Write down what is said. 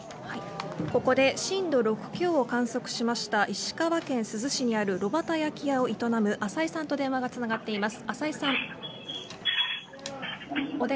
ここで震度６強を観測しました石川県珠洲市にある炉端焼き屋を営む浅井さんと電話がつながっています。